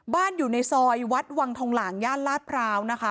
บ้านอยู่ในซอยวัดวังททงหล่างญาติราดพราวนะคะ